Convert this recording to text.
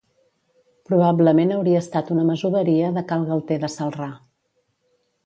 Probablement hauria estat una masoveria de Cal Galter de Celrà.